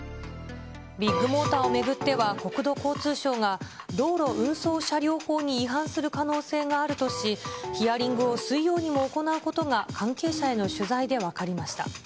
ビッグモーターを巡っては、国土交通省が道路運送車両法に違反する可能性があるとし、ヒアリングを水曜にも行うことが関係者への取材で分かりました。